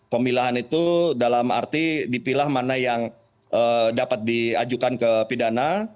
pemilahan itu dalam arti dipilah mana yang dapat diajukan ke pidana